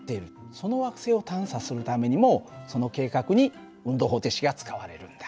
その惑星を探査するためにもその計画に運動方程式が使われるんだ。